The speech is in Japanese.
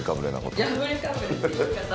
「やぶれかぶれ」って言い方。